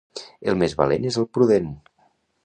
El més valent és el prudent.